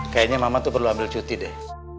kayaknya mama tuh perlu ambil cuti deh